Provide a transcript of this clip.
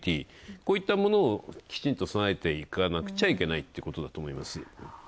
こういったものを、きちんと備えていかなくちゃいけないということだと思います。